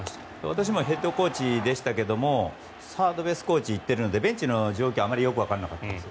私もヘッドコーチでしたがサードベースコーチに行っているのでベンチの状況、あまりよくわかってなかったです。